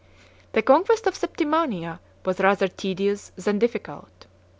The conquest of Septimania was rather tedious than difficult.